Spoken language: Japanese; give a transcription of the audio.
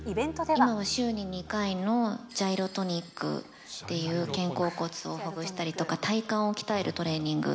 今は週に２回のジャイロトニックっていう肩甲骨をほぐしたりとか、体幹を鍛えるトレーニング。